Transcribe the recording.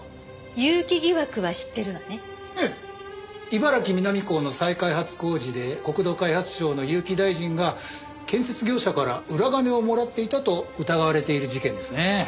茨城南港の再開発工事で国土開発省の結城大臣が建設業者から裏金をもらっていたと疑われている事件ですね。